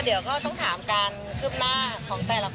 เดี๋ยวก็ต้องถามการคืบหน้าของแต่ละคน